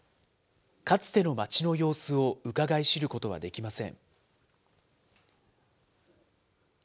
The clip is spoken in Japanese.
かつての街の様子をうかがい知ることはできません。